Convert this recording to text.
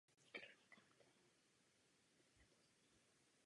Řazeno podle ráže.